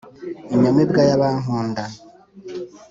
Inyamibwa y'abankunda